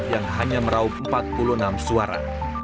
yang hanya meraup empat puluh enam suara